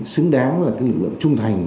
xứng đáng là lực lượng trung thành